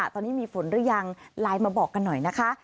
ตอนนี้มีฝนหรือยังไลน์มาบอกกันหน่อยนะคะ